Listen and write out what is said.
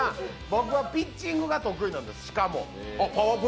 僕はピッチングが得意なんです、しかも。